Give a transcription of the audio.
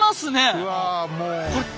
うわもう。